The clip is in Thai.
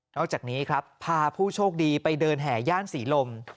อกจากนี้ครับพาผู้โชคดีไปเดินแห่ย่านศรีลม